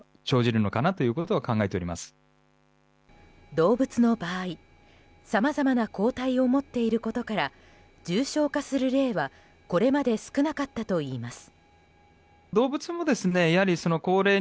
動物の場合、さまざまな抗体を持っていることから重症化する例はこれまで少なかったといいます。